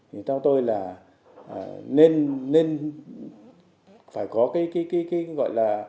thì theo tôi là nên phải có cái gọi là